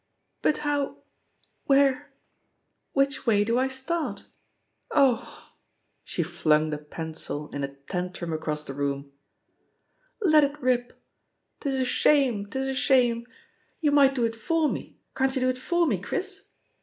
"But how — ^where — ^which way do I start? Oh I" She flung the pencil in a tantrum across the room. "Let it ripl ..• *Tis a shame, 'tis a shame I You might do it for me — can't you do it for me, Chris?